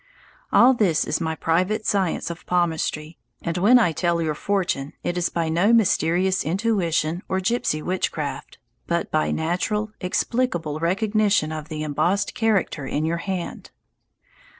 All this is my private science of palmistry, and when I tell your fortune it is by no mysterious intuition or gipsy witchcraft, but by natural, explicable recognition of the embossed character in your hand.